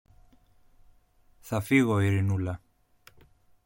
Θα φύγω, Ειρηνούλα.